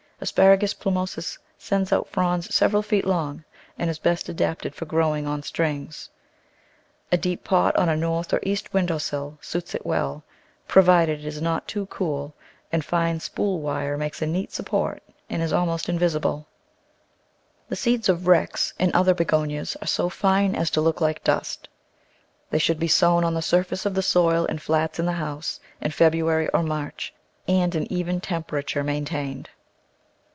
A. plumosus sends out fronds several feet long, and is best adapted for growing on strings. A deep pot on a north or east window sill suits it well, provided it is not too cool, and fine spool wire makes a neat support and is almost invisible. Digitized by Google 66 The Flower Garden [Chapter The seeds of Rex and other Begonias are so fine as to look like dust. They should be sown on the surface of the soil, in flats in the house, in February or March, and an even temperature maintained.